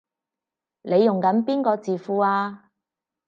你用緊邊個字庫啊？